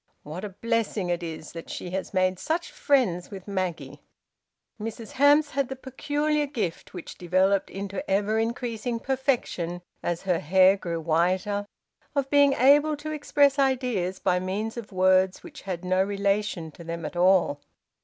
What a blessing it is she has made such friends with Maggie!" Mrs Hamps had the peculiar gift, which developed into ever increasing perfection as her hair grew whiter, of being able to express ideas by means of words which had no relation to them at all.